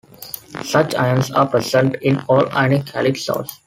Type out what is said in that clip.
Such ions are present in all ionic halide salts.